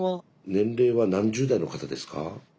年齢は何十代の方ですか？